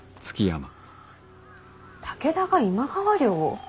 武田が今川領を？